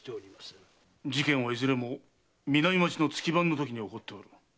事件はいずれも南町の月番のときに起きている。